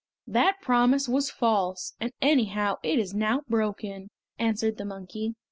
"That promise was false, and anyhow it is now broken!" answered the monkey.